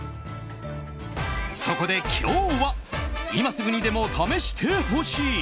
そこで今日は今すぐにでも試してほしい！